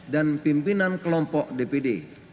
dan pimpinan kelompok dpd